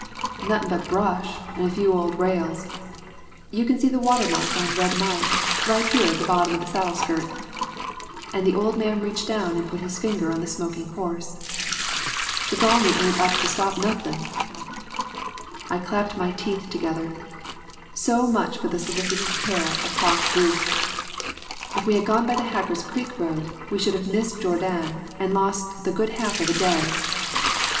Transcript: "Nothin' but brush an' a few old rails. You can see the water mark on Red Mike right here at the bottom of the saddle skirt." And the old man reached down and put his finger on the smoking horse. "The Gauley ain't up to stop nothin'." I clapped my teeth together. So much for the solicitous care of Hawk Rufe. If we had gone by the Hacker's Creek road we should have missed Jourdan and lost the good half of a day.